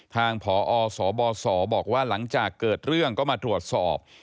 ทางพอสบสบอกว่าหลังจากเกิดเรื่องก็มาตรวจสอบ